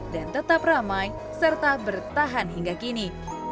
dan tetap ramai serta bertahan hingga kini